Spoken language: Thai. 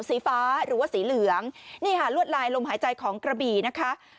สีฟ้าหรือว่าสีเหลืองนี่ค่ะลวดลายลมหายใจของกระบี่นะคะ